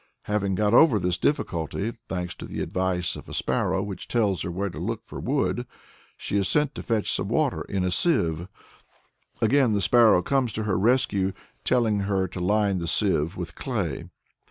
Having got over this difficulty, thanks to the advice of a sparrow which tells her where to look for wood, she is sent to fetch water in a sieve. Again the sparrow comes to her rescue telling her to line the sieve with clay.